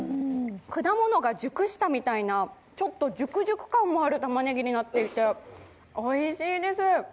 果物が熟したみたいなちょっとじゅくじゅく感もある玉ねぎになっていて、おいしいです。